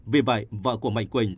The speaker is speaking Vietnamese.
vì vậy vợ của mạnh quỳnh